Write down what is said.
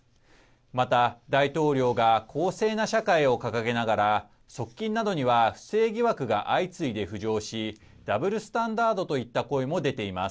また、大統領が公正な社会を掲げながら側近などには不正疑惑が相次いで浮上しダブルスタンダードといった声も出ています。